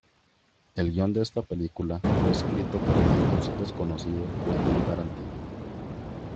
El guion de esta película fue escrito por el entonces desconocido Quentin Tarantino.